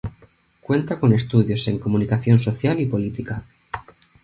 Cuenta con estudios en Comunicación social y política.